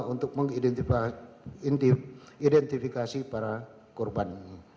untuk mengidentifikasi para korban